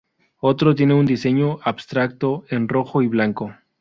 Otro tiene un diseño abstracto en rojo y blanco.